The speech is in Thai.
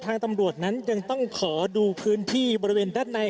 ตำรวจนั้นยังต้องขอดูพื้นที่บริเวณด้านใน